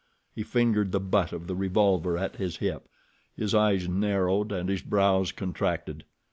He fingered the butt of the revolver at his hip, his eyes narrowed and his brows contracted.